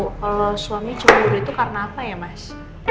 kalau suami cemburu itu karena apa ya mas